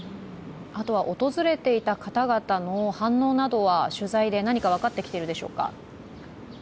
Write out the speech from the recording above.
あとは訪れていた方々の反応などは取材で何か分かってきているでしょうか。